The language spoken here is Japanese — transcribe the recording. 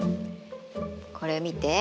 これ見て。